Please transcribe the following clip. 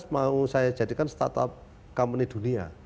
lima belas mau saya jadikan startup company dunia